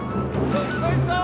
どっこいしょー